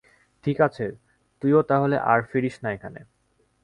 ঠিক আছে, তুইও তাহলে আর ফিরিস না এখানে।